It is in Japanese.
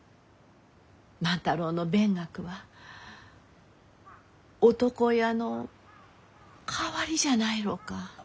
万太郎の勉学は男親の代わりじゃないろうか？